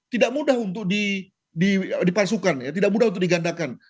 tidak mudah untuk dipalsukan ya tidak mudah untuk digandakan